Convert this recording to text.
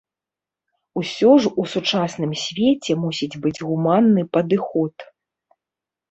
Усё ж у сучасным свеце мусіць быць гуманны падыход.